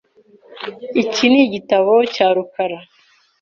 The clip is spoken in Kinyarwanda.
Iki ni igitabo cya rukara .